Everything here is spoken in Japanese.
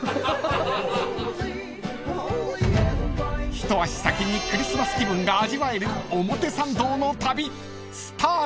［一足先にクリスマス気分が味わえる表参道の旅スタートです］